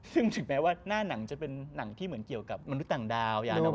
ซึ่งถึงแม้ว่าหน้าหนังจะเป็นหนังที่เหมือนเกี่ยวกับมนุษย์ต่างดาว